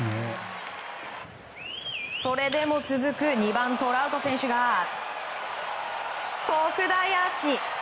それでも続く２番トラウト選手が特大アーチ。